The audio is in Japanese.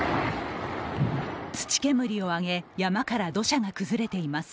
土煙をあげ、山から土砂が崩れています。